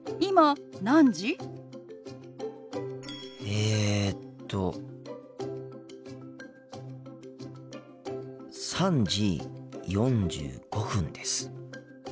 えっと３時４５分です。